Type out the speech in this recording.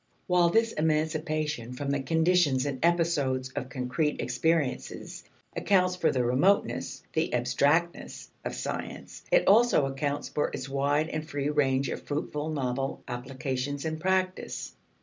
While this emancipation from the conditions and episodes of concrete experiences accounts for the remoteness, the "abstractness," of science, it also accounts for its wide and free range of fruitful novel applications in practice.